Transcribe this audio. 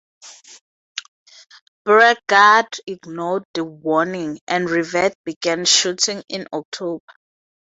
Beauregard ignored the warning, and Rivette began shooting in October.